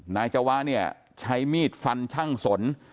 นายจวะเนี่ยใช้มีดฟันช่างสน